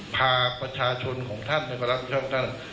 พาประชาชนของท่านในกรรมประชาชนของท่าน